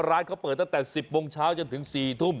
ร้านเขาเปิดตั้งแต่๑๐โมงเช้าจนถึง๔ทุ่ม